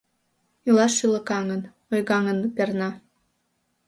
Илаш шӱлыкаҥын, ойгаҥын перна.